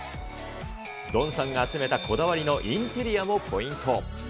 ドンさんが集めたこだわりのインテリアもポイント。